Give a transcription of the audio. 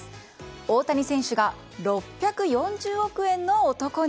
大谷選手が６４０億円の男に。